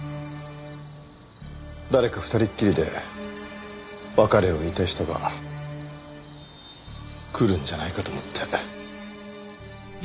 誰か二人きりで別れを言いたい人が来るんじゃないかと思って。